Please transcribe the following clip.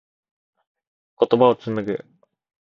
言葉を紡ぐ。